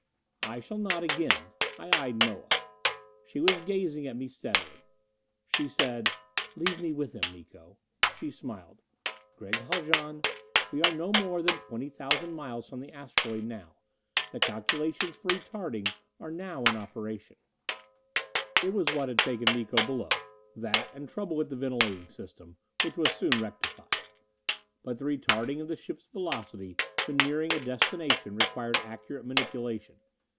"I shall not again." I eyed Moa. She was gazing at me steadily. She said, "Leave me with him, Miko...." She smiled. "Gregg Haljan, we are no more than twenty thousand miles from the asteroid now. The calculations for retarding are now in operation." It was what had taken Miko below, that and trouble with the ventilating system, which was soon rectified. But the retarding of the ship's velocity when nearing a destination required accurate manipulation.